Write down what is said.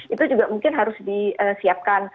itu juga mungkin harus disiapkan